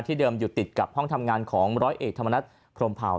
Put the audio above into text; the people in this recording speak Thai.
เดิมอยู่ติดกับห้องทำงานของร้อยเอกธรรมนัฐพรมเผา